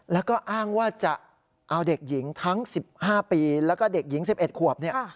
แล้วก็อ้างว่าจะเอาเด็กหญิงทั้ง๑๕ปีแล้วก็เด็กหญิง๑๑ขวบเนี่ย